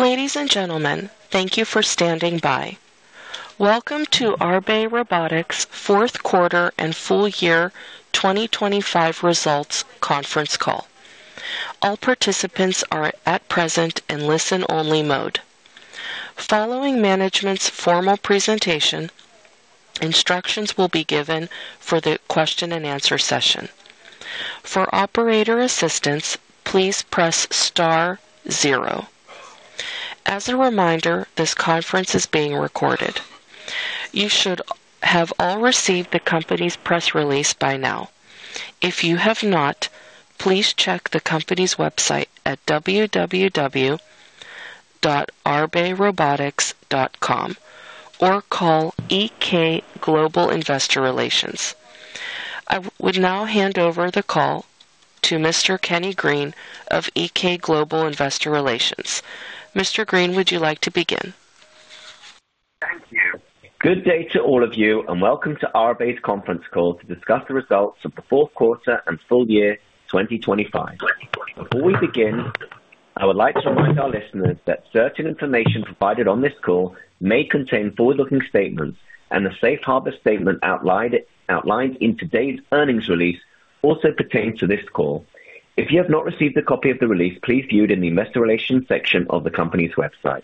Ladies and gentlemen, thank you for standing by. Welcome to Arbe Robotics' fourth quarter and full year 2025 results conference call. All participants are at present in listen-only mode. Following management's formal presentation, instructions will be given for the question and answer session. For operator assistance, please press star 0. As a reminder, this conference is being recorded. You should have all received the company's press release by now. If you have not, please check the company's website at www.arberobotics.com or call EK Global Investor Relations. I would now hand over the call to Mr. Kenny Green of EK Global Investor Relations. Mr. Green, would you like to begin? Thank you. Good day to all of you, welcome to Arbe's conference call to discuss the results of the fourth quarter and full year 2025. Before we begin, I would like to remind our listeners that certain information provided on this call may contain forward-looking statements, the safe harbor statement outlined in today's earnings release also pertains to this call. If you have not received a copy of the release, please view it in the investor relations section of the company's website.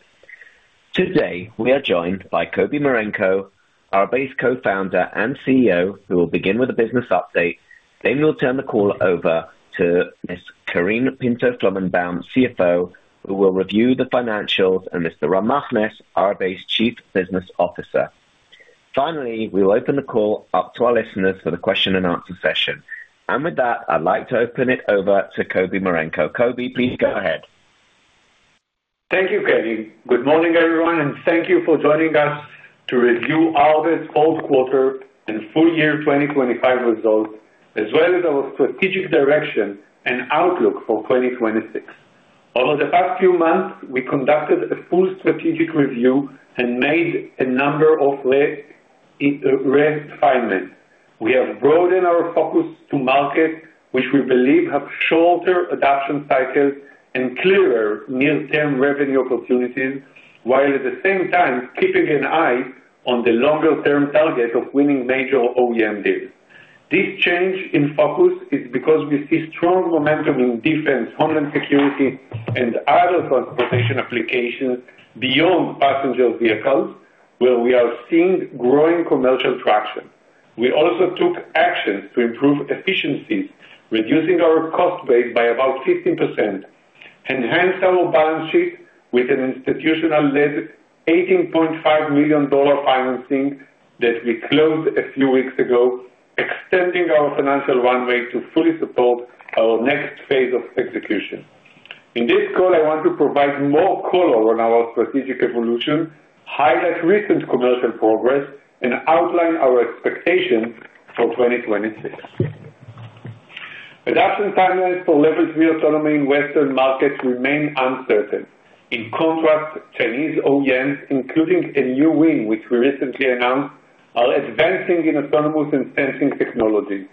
Today, we are joined by Kobi Marenko, Arbe's Co-founder and CEO, who will begin with a business update. We'll turn the call over to Ms. Karine Pinto-Flomenboim, CFO, who will review the financials, and Mr. Ram Machness, Arbe's Chief Business Officer. Finally, we will open the call up to our listeners for the question and answer session. With that, I'd like to open it over to Kobi Marenko. Kobi, please go ahead. Thank you, Kenny. Good morning, everyone, and thank you for joining us to review Arbe's fourth quarter and full year 2025 results, as well as our strategic direction and outlook for 2026. Over the past few months, we conducted a full strategic review and made a number of refinements. We have broadened our focus to markets which we believe have shorter adoption cycles and clearer near-term revenue opportunities, while at the same time keeping an eye on the longer-term target of winning major OEM deals. This change in focus is because we see strong momentum in defense, homeland security, and other transportation applications beyond passenger vehicles, where we are seeing growing commercial traction. We also took actions to improve efficiencies, reducing our cost base by about 15%, enhanced our balance sheet with an institutional-led $18.5 million financing that we closed a few weeks ago, extending our financial runway to fully support our next phase of execution. In this call, I want to provide more color on our strategic evolution, highlight recent commercial progress, and outline our expectations for 2026. Adoption timelines for level three autonomy in Western markets remain uncertain. In contrast, Chinese OEMs, including a new win, which we recently announced, are advancing in autonomous and sensing technologies.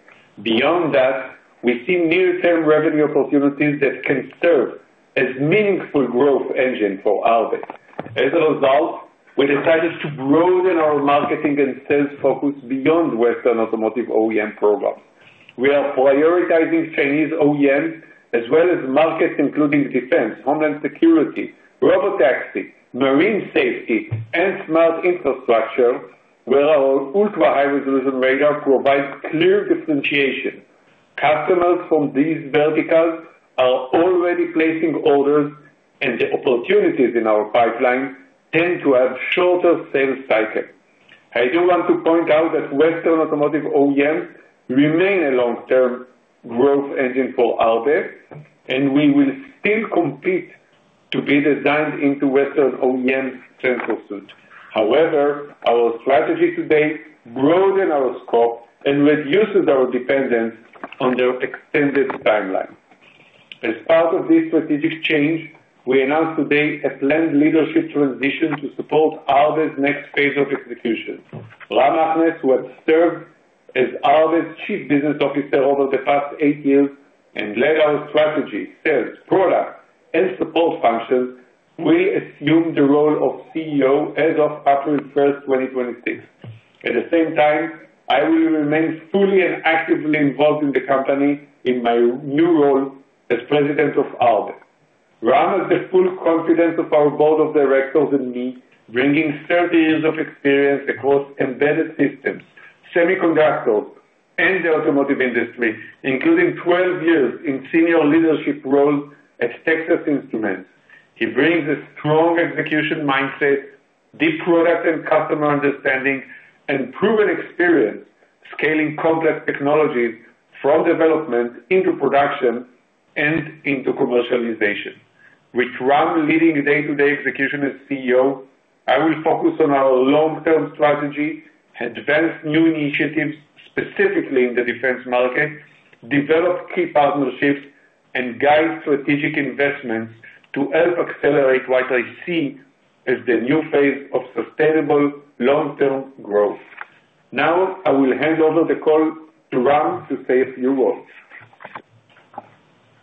Beyond that, we see near-term revenue opportunities that can serve as meaningful growth engine for Arbe. We decided to broaden our marketing and sales focus beyond Western automotive OEM programs. We are prioritizing Chinese OEMs as well as markets, including defense, homeland security, robotaxi, marine safety, and smart infrastructure, where our ultra-high-resolution radar provides clear differentiation. The opportunities in our pipeline tend to have shorter sales cycles. I do want to point out that Western automotive OEMs remain a long-term growth engine for Arbe, and we will still compete to be designed into Western OEMs' transfer suit. However, our strategy today broaden our scope and reduces our dependence on their extended timeline. As part of this strategic change, we announce today a planned leadership transition to support Arbe's next phase of execution. Ram Machness, who has served as Arbe's Chief Business Officer over the past eight years and led our strategy, sales, product, and support functions, will assume the role of CEO as of April 1st, 2026. At the same time, I will remain fully and actively involved in the company in my new role as President of Arbe. Ram has the full confidence of our board of directors and me, bringing 30 years of experience across embedded systems, semiconductors, and the automotive industry, including 12 years in senior leadership roles at Texas Instruments. He brings a strong execution mindset, deep product and customer understanding, and proven experience scaling complex technologies from development into production and into commercialization. With Ram leading day-to-day execution as CEO, I will focus on our long-term strategy, advance new initiatives, specifically in the defense market, develop key partnerships, and guide strategic investments to help accelerate what I see as the new phase of sustainable long-term growth. I will hand over the call to Ram to say a few words.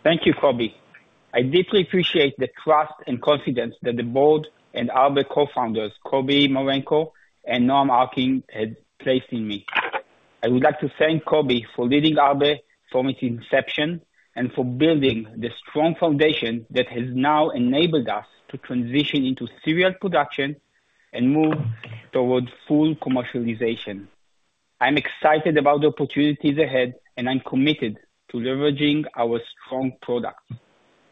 Thank you, Kobi. I deeply appreciate the trust and confidence that the board and our cofounders, Kobi Marenko and Noam Arkind, had placed in me. I would like to thank Kobi for leading Arbe from its inception and for building the strong foundation that has now enabled us to transition into serial production and move towards full commercialization. I'm excited about the opportunities ahead, and I'm committed to leveraging our strong product.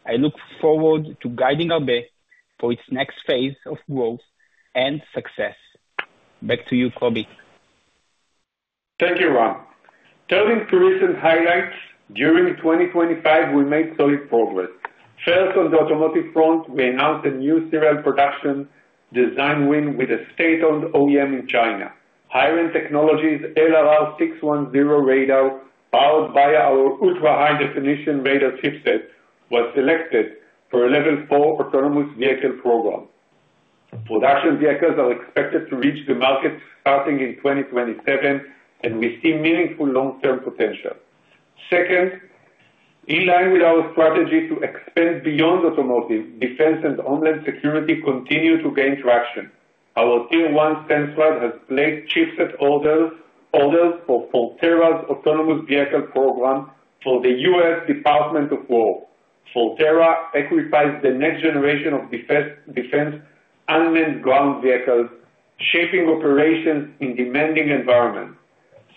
I look forward to guiding Arbe for its next phase of growth and success. Back to you, Kobi. Thank you, Ram. Turning to recent highlights, during 2025, we made solid progress. First, on the automotive front, we announced a new serial production design win with a state-owned OEM in China. HiRain Technologies LRR610 radar, powered by our ultra-high definition radar chipset, was selected for a level 4 autonomous vehicle program. Production vehicles are expected to reach the market starting in 2027. We see meaningful long-term potential. Second, in line with our strategy to expand beyond automotive, defense and homeland security continue to gain traction. Our Tier 1 Sensrad has placed chipset orders for Forterra's autonomous vehicle program for the U.S. Department of Defense. Forterra equips the next generation of defense unmanned ground vehicles, shaping operations in demanding environments.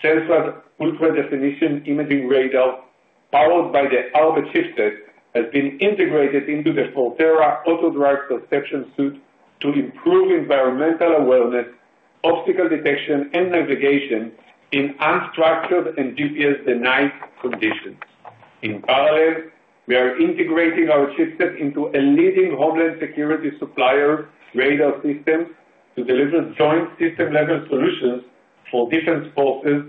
Sensrad ultra-definition imaging radar, powered by the Arbe chipset, has been integrated into the Forterra AutoDrive perception suite to improve environmental awareness, obstacle detection, and navigation in unstructured and GPS-denied conditions. In parallel, we are integrating our chipset into a leading homeland security supplier radar systems to deliver joint system-level solutions for defense forces,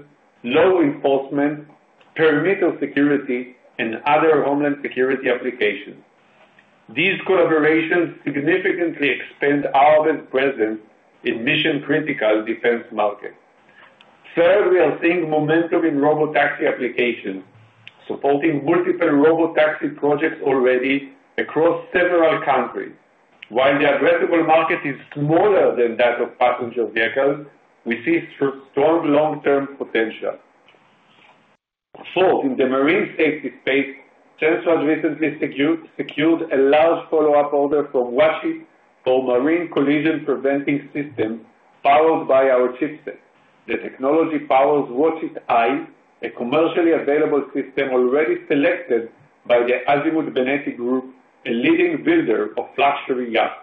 law enforcement, perimeter security, and other homeland security applications. These collaborations significantly expand our best presence in mission-critical defense markets. Third, we are seeing momentum in robotaxi applications, supporting multiple robotaxi projects already across several countries. While the addressable market is smaller than that of passenger vehicles, we see strong long-term potential. Fourth, in the marine safety space, Sensrad recently secured a large follow-up order from WATCHIT for marine collision preventing system, powered by our chipset. The technology powers WATCHIT Eye, a commercially available system already selected by the Azimut Benetti Group, a leading builder of luxury yachts.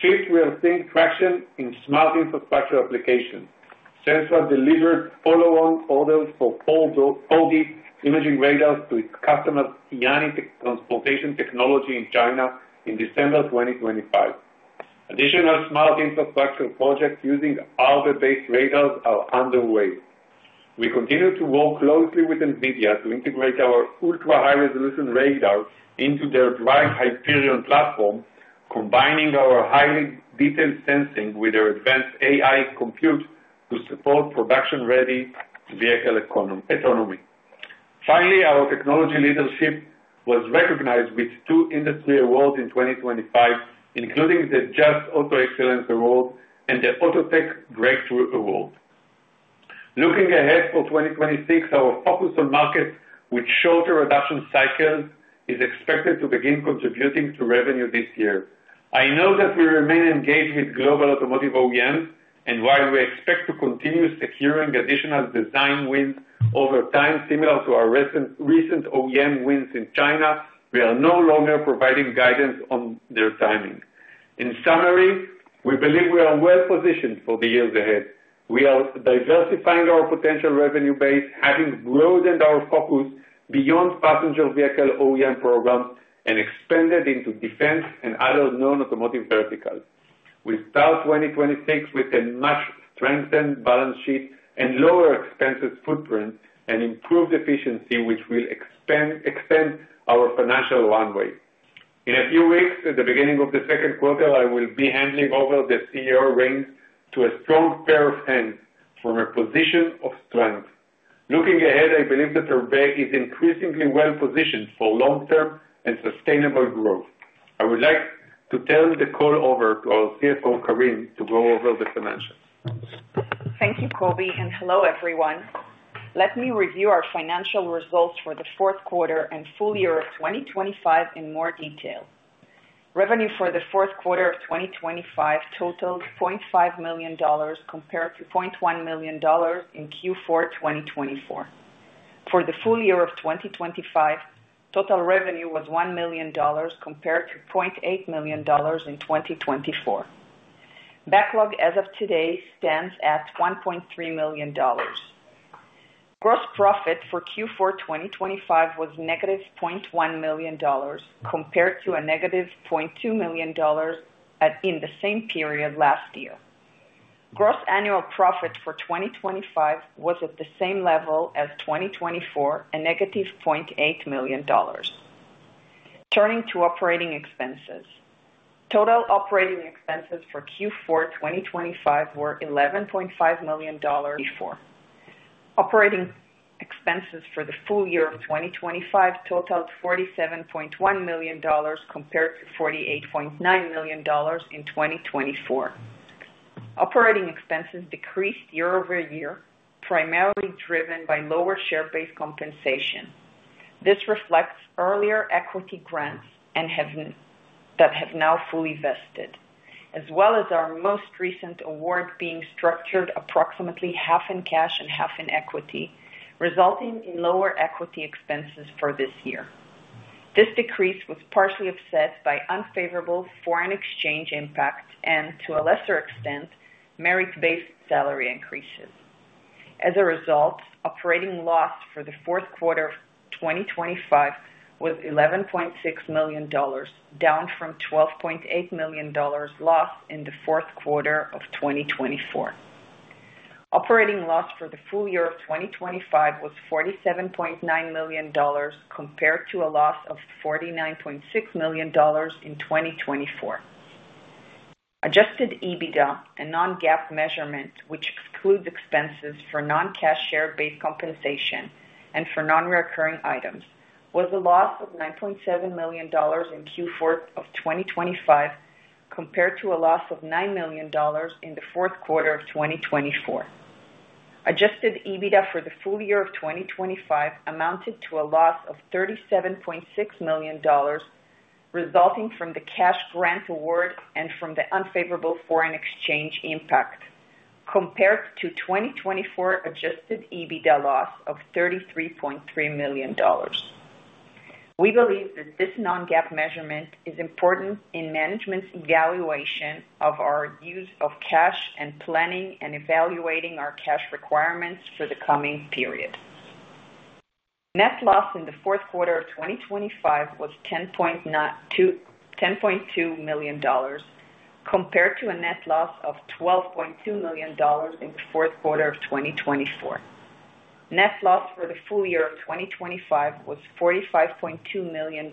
Fifth, we are seeing traction in smart infrastructure applications. Sensrad delivered follow-on orders for it's 4D imaging radars to its customers, Tianyi Transportation Technology in China in December 2025. Additional smart infrastructure projects using Arbe-based radars are underway. We continue to work closely with NVIDIA to integrate our ultra-high-resolution radars into their DRIVE Hyperion platform, combining our highly detailed sensing with their advanced AI compute to support production-ready vehicle autonomy. Finally, our technology leadership was recognized with two industry awards in 2025, including the Just Auto Excellence Award and the AutoTech Breakthrough Award. Looking ahead for 2026, our focus on markets with shorter adoption cycles is expected to begin contributing to revenue this year. I know that we remain engaged with global automotive OEMs, and while we expect to continue securing additional design wins over time, similar to our recent OEM wins in China, we are no longer providing guidance on their timing. In summary, we believe we are well positioned for the years ahead. We are diversifying our potential revenue base, having broadened our focus beyond passenger vehicle OEM programs and expanded into defense and other non-automotive verticals. We start 2026 with a much strengthened balance sheet and lower expense footprint and improved efficiency, which will extend our financial runway. In a few weeks, at the beginning of the second quarter, I will be handing over the CEO reins to a strong pair of hands from a position of strength. Looking ahead, I believe that Arbe is increasingly well positioned for long-term and sustainable growth. I would like to turn the call over to our CFO, Karine, to go over the dimensions. Thank you, Kobi. Hello, everyone. Let me review our financial results for the fourth quarter and full year of 2025 in more detail. Revenue for the fourth quarter of 2025 totaled $0.5 million compared to $0.1 million in Q4 2024. For the full year of 2025, total revenue was $1 million compared to $0.8 million in 2024. Backlog as of today stands at $1.3 million. Gross profit for Q4 2025 was -$0.1 million, compared to a -$0.2 million in the same period last year. Gross annual profit for 2025 was at the same level as 2024, a -$0.8 million. Turning to operating expenses. Total operating expenses for Q4 2025 were $11.5 million before. Operating expenses for the full year of 2025 totaled $47.1 million compared to $48.9 million in 2024. Operating expenses decreased year-over-year, primarily driven by lower share-based compensation. This reflects earlier equity grants that have now fully vested, as well as our most recent award being structured approximately half in cash and half in equity, resulting in lower equity expenses for this year. This decrease was partially offset by unfavorable foreign exchange impact and, to a lesser extent, merit-based salary increases. As a result, Operating loss for the fourth quarter of 2025 was $11.6 million, down from $12.8 million loss in the fourth quarter of 2024. Operating loss for the full year of 2025 was $47.9 million, compared to a loss of $49.6 million in 2024. Adjusted EBITDA, a non-GAAP measurement, which excludes expenses for non-cash share-based compensation and for non-recurring items, was a loss of $9.7 million in Q4 of 2025, compared to a loss of $9 million in the fourth quarter of 2024. Adjusted EBITDA for the full year of 2025 amounted to a loss of $37.6 million, resulting from the cash grant award and from the unfavorable foreign exchange impact, compared to 2024 Adjusted EBITDA loss of $33.3 million. We believe that this non-GAAP measurement is important in management's evaluation of our use of cash and planning and evaluating our cash requirements for the coming period. Net loss in the fourth quarter of 2025 was $10.2 million, compared to a net loss of $12.2 million in the fourth quarter of 2024. Net loss for the full year of 2025 was $45.2 million,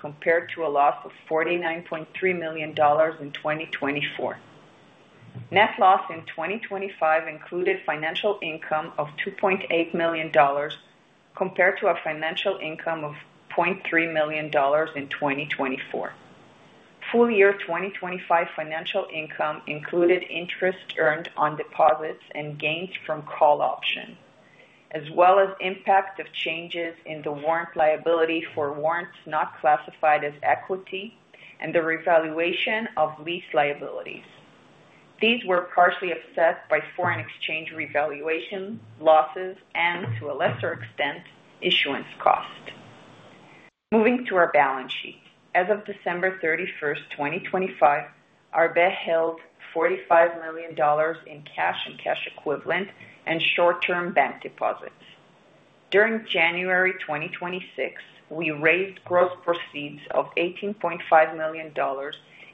compared to a loss of $49.3 million in 2024. Net loss in 2025 included financial income of $2.8 million, compared to a financial income of $0.3 million in 2024. Full year 2025 financial income included interest earned on deposits and gains from call option, as well as impact of changes in the warrant liability for warrants not classified as equity and the revaluation of lease liabilities. These were partially offset by foreign exchange revaluation, losses, and to a lesser extent, issuance cost. Moving to our balance sheet. As of December 31st, 2025, Arbe held $45 million in cash and cash equivalent and short-term bank deposits. During January 2026, we raised gross proceeds of $18.5 million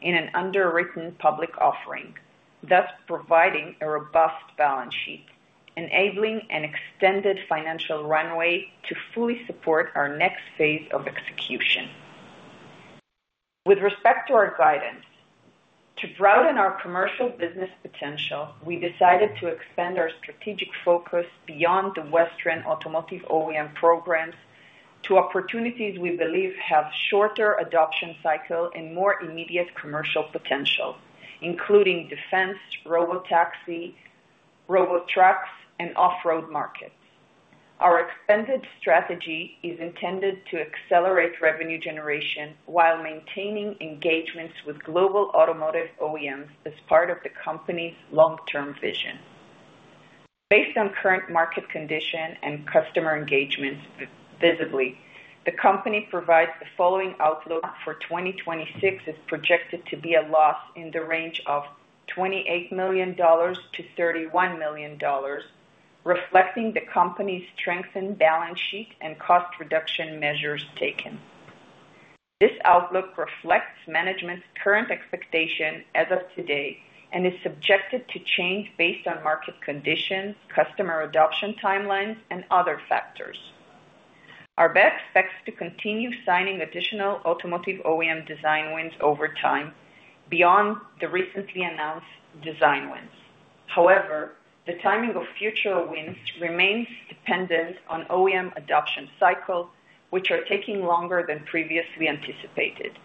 in an underwritten public offering, thus providing a robust balance sheet, enabling an extended financial runway to fully support our next phase of execution. With respect to our guidance, to broaden our commercial business potential, we decided to expand our strategic focus beyond the Western Automotive OEM programs to opportunities we believe have shorter adoption cycle and more immediate commercial potential, including defense, robotaxi, robot trucks, and off-road markets. Our expanded strategy is intended to accelerate revenue generation while maintaining engagements with global automotive OEMs as part of the company's long-term vision. Based on current market condition and customer engagements, visibly, the company provides the following outlook for 2026 is projected to be a loss in the range of $28 million-$31 million, reflecting the company's strengthened balance sheet and cost reduction measures taken. This outlook reflects management's current expectations as of today and is subjected to change based on market conditions, customer adoption timelines, and other factors. Arbe expects to continue signing additional automotive OEM design wins over time beyond the recently announced design wins. The timing of future wins remains dependent on OEM adoption cycles, which are taking longer than previously anticipated.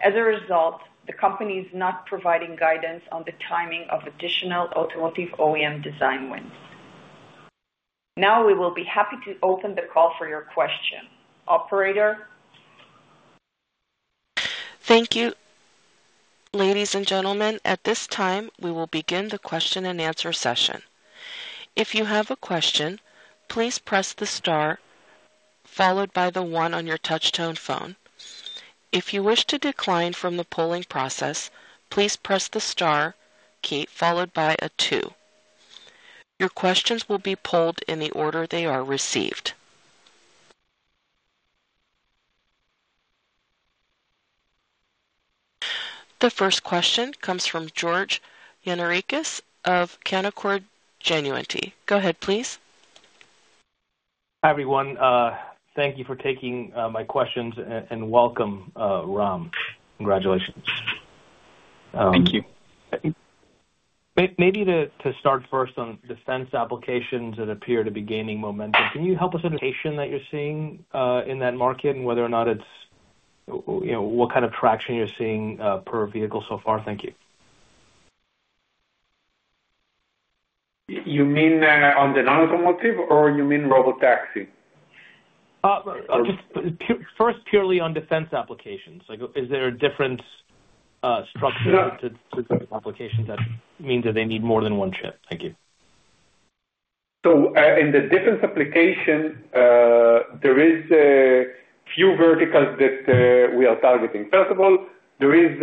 The company is not providing guidance on the timing of additional automotive OEM design wins. We will be happy to open the call for your questions. Operator? Thank you, ladies and gentlemen. At this time, we will begin the question-and-answer session. If you have a question, please press the star, followed by the one on your touch-tone phone. If you wish to decline from the polling process, please press the star key followed by a two. Your questions will be polled in the order they are received. The first question comes from George Gianarikas of Canaccord Genuity. Go ahead, please. Hi, everyone. Thank you for taking my questions and welcome, Ram. Congratulations. Thank you. Maybe to start first on defense applications that appear to be gaining momentum, can you help us in the pace that you're seeing in that market and whether or not it's, you know, what kind of traction you're seeing per vehicle so far? Thank you. You mean, on the non-automotive or you mean robotaxi? Just first, purely on defense applications. Like, is there a different structure to applications that means that they need more than one chip? Thank you. In the defense application, there is a few verticals that we are targeting. First of all, there is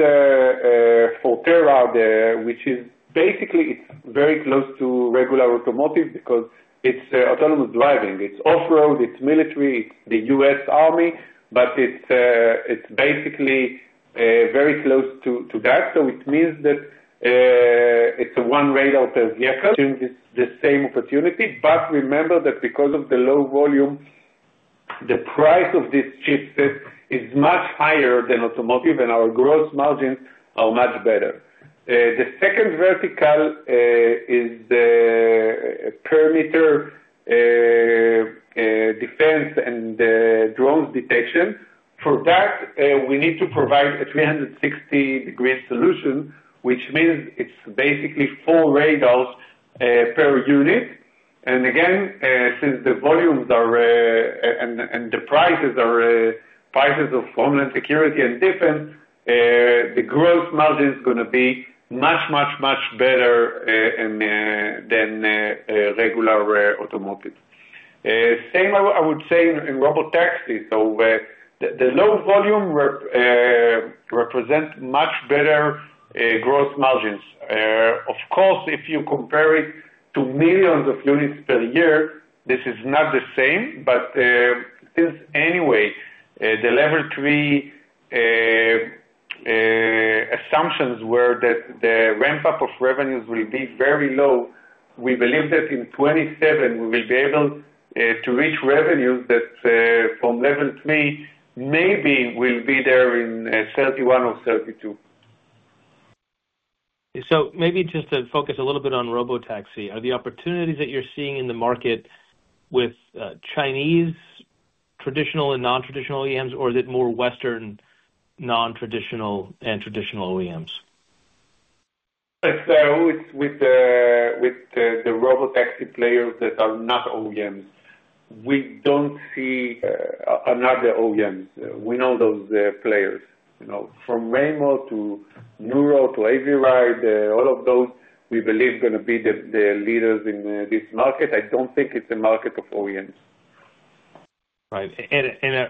Forterra, which is basically it's very close to regular automotive because it's autonomous driving, it's off-road, it's military, it's the U.S. Army, but it's basically very close to that. Which means that it's a one radar per vehicle, the same opportunity. Remember that because of the low volume, the price of this chip set is much higher than automotive, and our gross margins are much better. The second vertical is the perimeter defense and drones detection. For that, we need to provide a 360-degree solution, which means it's basically four radars per unit. Again, since the volumes are, and the prices are prices of homeland security and defense, the gross margin is gonna be much better than regular automotive. Same I would say in robotaxis. The low volume represent much better gross margins. Of course, if you compare it to millions of units per year, this is not the same, but since anyway, the level three assumptions were that the ramp up of revenues will be very low, we believe that in 2027 we will be able to reach revenues that from level three, maybe will be there in 2031 or 2032. Maybe just to focus a little bit on robotaxi. Are the opportunities that you're seeing in the market with Chinese traditional and non-traditional OEMs, or is it more Western non-traditional and traditional OEMs? With the robotaxi players that are not OEMs, we don't see other OEMs. We know those players, you know, from Waymo to Nuro to Cruise, all of those, we believe, gonna be the leaders in this market. I don't think it's a market of OEMs. Right.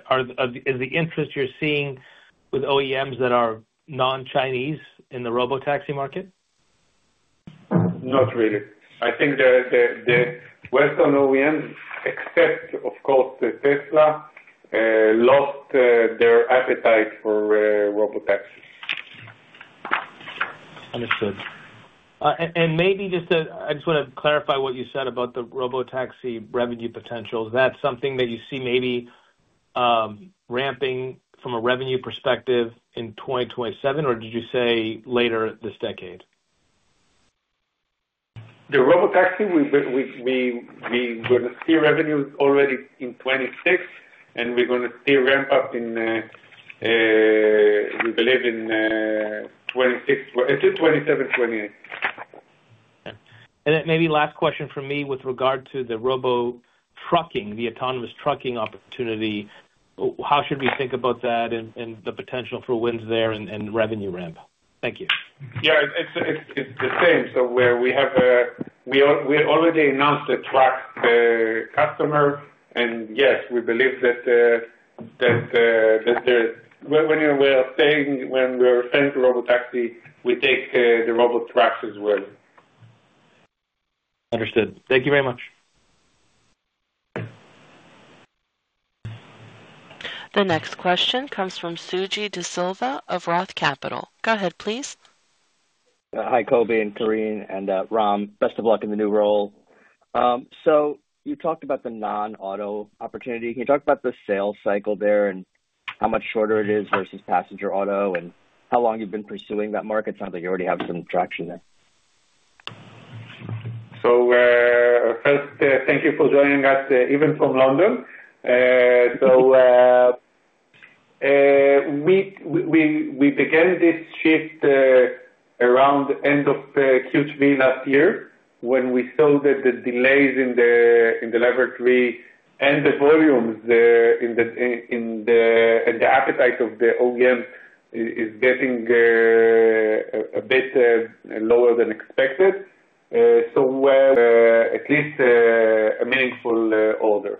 Are the, is the interest you're seeing with OEMs that are non-Chinese in the robotaxi market? Not really. I think the Western OEMs, except of course, Tesla, lost their appetite for robotaxi. Understood. Maybe I just wanna clarify what you said about the robotaxi revenue potential. Is that something that you see maybe ramping from a revenue perspective in 2027, or did you say later this decade? The robotaxi, we gonna see revenues already in 2026, and we're gonna see ramp up in, we believe in, 2026, it's 2027, 2028. Maybe last question from me with regard to the robo trucking, the autonomous trucking opportunity. How should we think about that and the potential for wins there and revenue ramp? Thank you. Yeah, it's the same. Where we have, we already announced the truck customer. Yes, we believe that the when we are saying to robotaxi, we take the robot trucks as well. Understood. Thank you very much. The next question comes from Suji Desilva of ROTH Capital. Go ahead, please. Hi, Kobi and Karine, and Ram, best of luck in the new role. You talked about the non-auto opportunity. Can you talk about the sales cycle there and how much shorter it is versus passenger auto, and how long you've been pursuing that market? Sounds like you already have some traction there. First, thank you for joining us, even from London. We began this shift around end of Q3 last year, when we saw that the delays in the level three and the volumes, in the, and the appetite of the OEM is getting a bit lower than expected. Well, at least a meaningful order.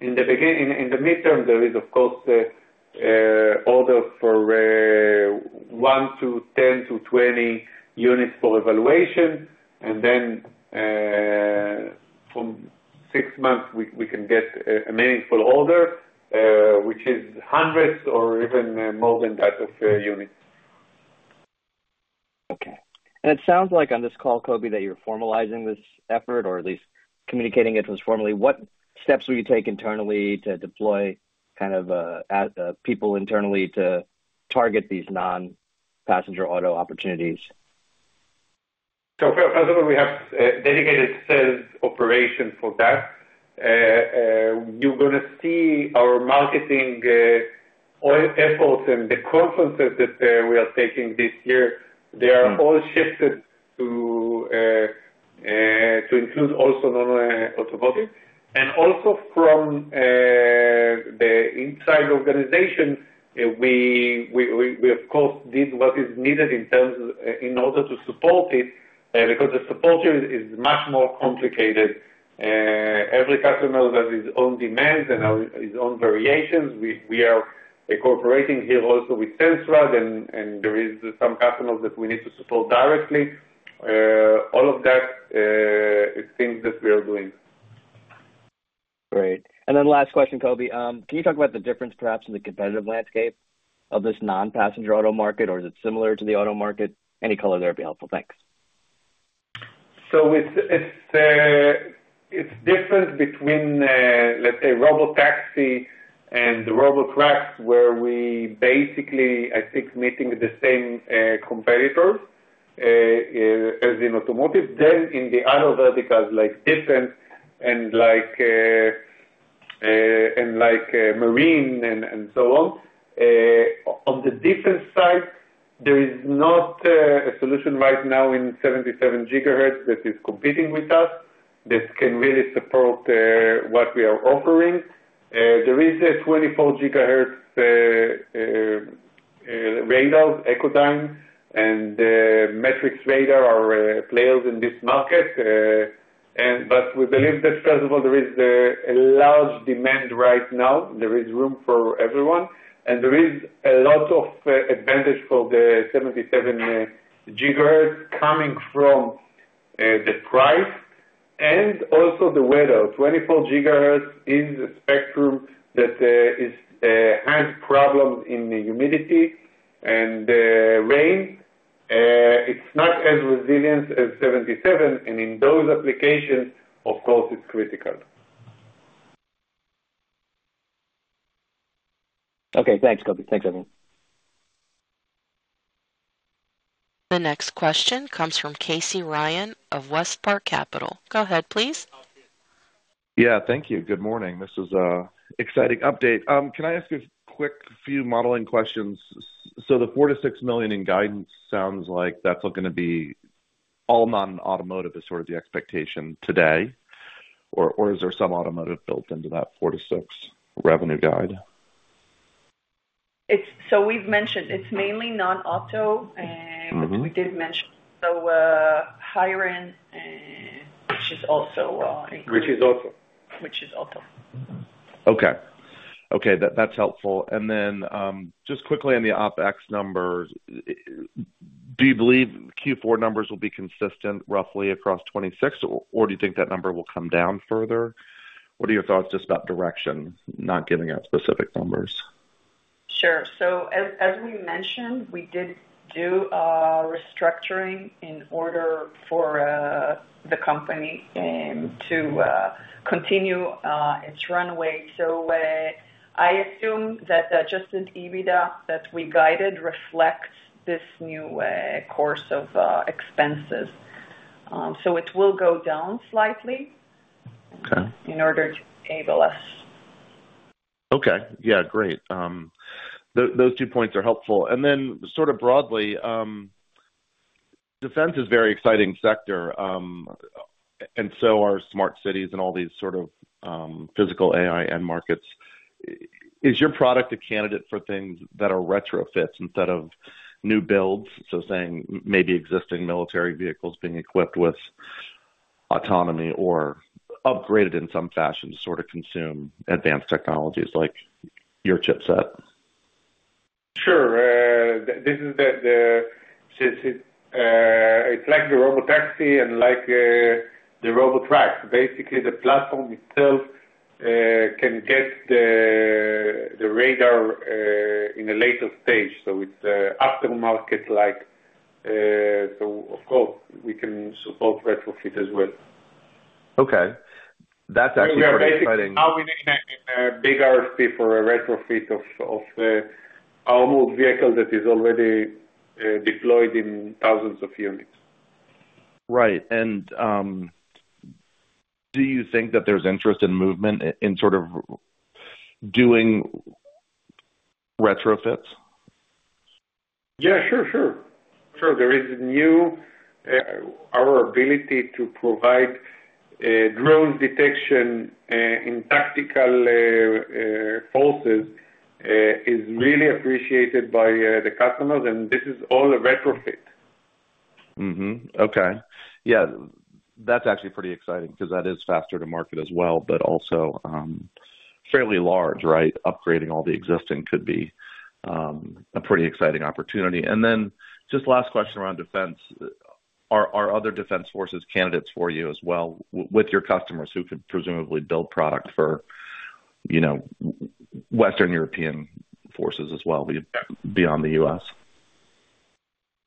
In the midterm, there is of course, order for one to 10 to 20 units for evaluation, and then, from six months, we can get a meaningful order, which is hundreds or even more than that of units. Okay. It sounds like on this call, Kobi, that you're formalizing this effort or at least communicating it was formally. What steps will you take internally to deploy kind of, as, people internally to target these non-passenger auto opportunities? First of all, we have dedicated sales operations for that. You're gonna see our marketing, all efforts and the conferences that we are taking this year, they are all shifted to include also non-automotive. Also from the inside organization, we, of course, did what is needed in terms of in order to support it, because the support here is much more complicated. Every customer has his own demands and his own variations. We are incorporating here also with Sensrad, and there is some customers that we need to support directly. All of that is things that we are doing. Great. Then last question, Kobi. Can you talk about the difference perhaps in the competitive landscape of this non-passenger auto market, or is it similar to the auto market? Any color there would be helpful. Thanks. It's different between, let's say, robot taxi and the robot truck, where we basically, I think, meeting with the same competitors as in automotive. In the other verticals like defense and like marine and so on. On the defense side, there is not a solution right now in 77 GHz that is competing with us, that can really support what we are offering. There is a 24 GHz radar, Echodyne and MatrixSpace are players in this market. We believe that first of all, there is a large demand right now. There is room for everyone, and there is a lot of advantage for the 77 GHz coming from the price and also the weather. 24 GHz is a spectrum that has problems in the humidity and rain. It's not as resilient as 77 GHz, and in those applications, of course, it's critical. Okay, thanks, Kobi. Thanks, everyone. The next question comes from Casey Ryan of WestPark Capital. Go ahead, please. Thank you. Good morning. This is exciting update. Can I ask you a quick few modeling questions? The $4 million-$6 million in guidance sounds like that's going to be all non-automotive is sort of the expectation today, or is there some automotive built into that $4 million-$6 million revenue guide? We've mentioned it's mainly non-auto. Mm-hmm. We did mention. HiRain, which is also Which is also. Which is also. Okay. That's helpful. Then, just quickly on the OpEx numbers, do you believe Q4 numbers will be consistent roughly across 2026, or do you think that number will come down further? What are your thoughts just about direction, not giving out specific numbers? Sure. As we mentioned, we did do restructuring in order for the company to continue its runway. I assume that the Adjusted EBITDA that we guided reflects this new course of expenses. It will go down slightly. Okay. In order to enable us. Okay. Yeah, great. Those two points are helpful. Then sort of broadly, defense is a very exciting sector, and so are smart cities and all these sort of, physical AI end markets. Is your product a candidate for things that are retrofits instead of new builds? Saying maybe existing military vehicles being equipped with autonomy or upgraded in some fashion to sort of consume advanced technologies like your chipset. Sure. It's like the robotaxi and like the robotruck. Basically, the platform itself, can get the radar in a later stage, so it's aftermarket like, so of course, we can support retrofit as well. Okay. That's actually very exciting. Now we need a big RFP for a retrofit of almost vehicle that is already deployed in thousands of units. Right. Do you think that there's interest in movement in sort of doing retrofits? Yeah, sure. Sure, there is new, our ability to provide drone detection in tactical pulses is really appreciated by the customers. This is all a retrofit. Mm-hmm. Okay. Yeah, that's actually pretty exciting because that is faster to market as well, but also, fairly large, right? Upgrading all the existing could be a pretty exciting opportunity. Just last question around defense. Are other defense forces candidates for you as well, with your customers who could presumably build product for, you know, Western European forces as well, beyond the U.S.?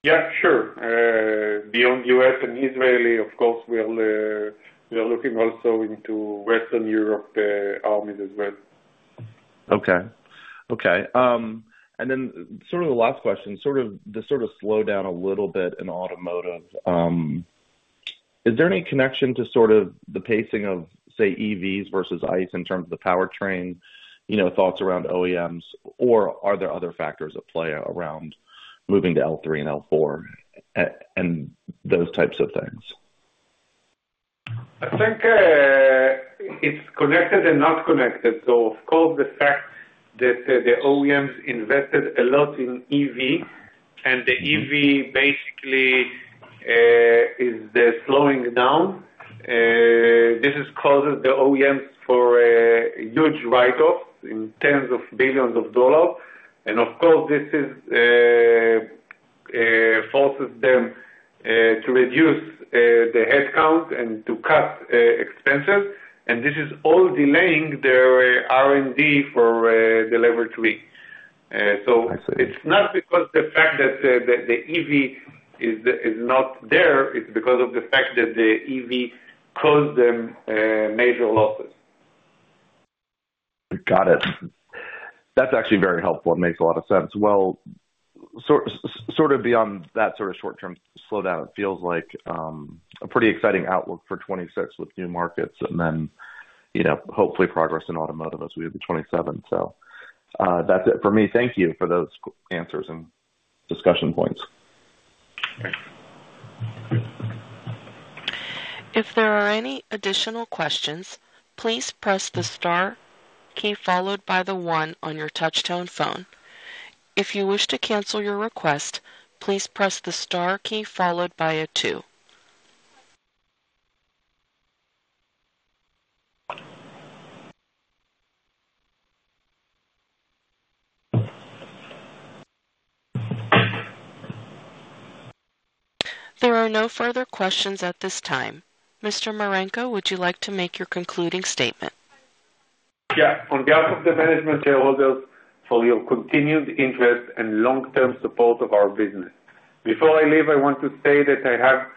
Yeah, sure. Beyond U.S. and Israeli, of course, we are looking also into Western Europe, armies as well. Okay. Okay, sort of the last question, to slow down a little bit in automotive. Is there any connection to sort of the pacing of, say, EVs versus ICE in terms of the powertrain, you know, thoughts around OEMs? Or are there other factors at play around moving to L3 and L4, and those types of things? I think, it's connected and not connected. Of course, the fact that, the OEMs invested a lot in EV, and the EV basically, is there slowing down, this has caused the OEMs for a huge write-off in tens of billions of dollars. Of course, this is, forces them, to reduce, the headcount and to cut, expenses, and this is all delaying their R&D for, the level 3. I see. it's not because the fact that the EV is not there, it's because of the fact that the EV caused them major losses. Got it. That's actually very helpful and makes a lot of sense. Well, sort of beyond that sort of short-term slowdown, it feels like a pretty exciting outlook for 2026 with new markets and then, you know, hopefully progress in automotive as we hit the 2027. That's it for me. Thank you for those answers and discussion points. Thank you. If there are any additional questions, please press the star key followed by the one on your touch-tone phone. If you wish to cancel your request, please press the star key followed by a two. There are no further questions at this time. Mr. Marenko, would you like to make your concluding statement? Yeah. On behalf of the management shareholders for your continued interest and long-term support of our business. Before I leave, I want to say that I have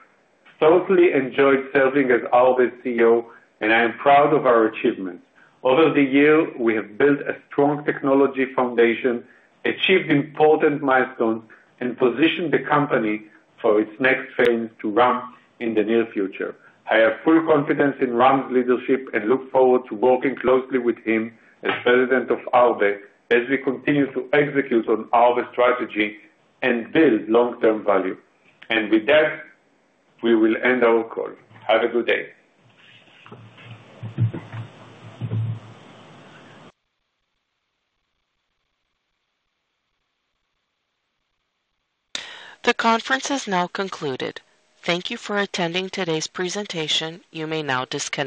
totally enjoyed serving as Arbe's CEO, and I am proud of our achievements. Over the years, we have built a strong technology foundation, achieved important milestones, and positioned the company for its next phase to ramp in the near future. I have full confidence in Ram's leadership and look forward to working closely with him as President of Arbe, as we continue to execute on Arbe's strategy and build long-term value. With that, we will end our call. Have a good day. The conference has now concluded. Thank you for attending today's presentation. You may now disconnect.